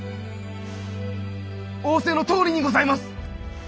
仰せのとおりにございます！